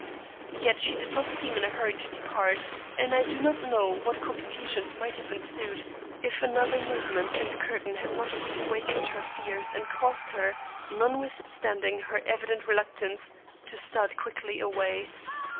Yet she did not seem in a hurry to depart, and I do not know what complications might have ensued, if another movement in the curtain had not reawakened her fears and caused her, notwithstanding her evident reluctance, to start quickly away.